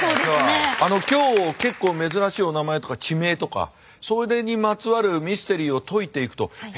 今日結構珍しいお名前とか地名とかそれにまつわるミステリーを解いていくと「え？